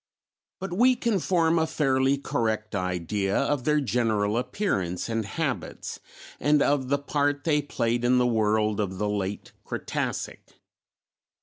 But we can form a fairly correct idea of their general appearance and habits and of the part they played in the world of the late Cretacic.